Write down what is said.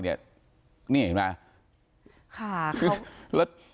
นี่เห็นไหม